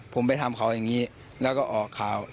ผมไปทำเขาอย่างนี้แล้วก็ออกข่าว